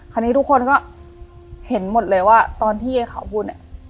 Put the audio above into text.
คราวนี้ทุกคนก็เห็นหมดเลยว่าตอนที่ไอ้ขาวบุญเนี่ย